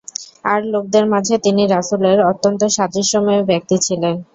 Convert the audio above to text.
আর লোকদের মাঝে তিনি রাসূলের অত্যন্ত সাদৃশ্যময় ব্যক্তি ছিলেন।